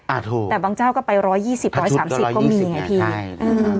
ถูกแต่บางเจ้าก็ไปร้อยยี่สิบร้อยสามสิบก็มีไงพี่ใช่อืม